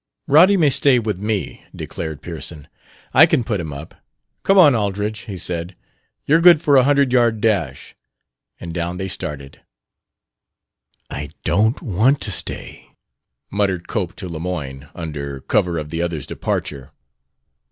"Roddy may stay with me," declared Pearson. "I can put him up. Come on, Aldridge," he said; "you're good for a hundred yard dash." And down they started. "I don't want to stay," muttered Cope to Lemoyne, under cover of the others' departure.